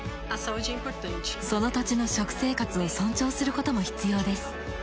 その土地の食生活を尊重することも必要です。